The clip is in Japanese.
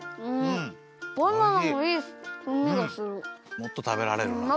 もっとたべられるなこれ。